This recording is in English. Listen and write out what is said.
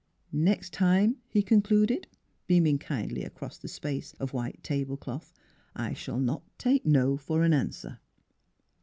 '* Next time," he concluded, beaming kindly across the space of white table cloth, " I shall not take * no ' for an answer.